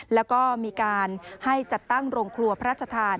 แล้วก็มีการให้จัดตั้งโรงครัวพระราชทาน